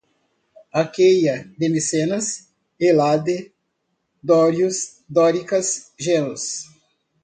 Aqueia de Micenas, Hélade, dórios, dóricas, genos